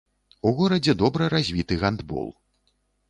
У горадзе добра развіты гандбол.